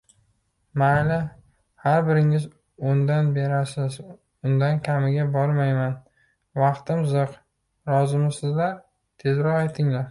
— Mayli. Har biringiz o’ndan berasiz, undan kamiga bormayman. Vaqtim ziq, rozimisizlar, tezroq aytinglar?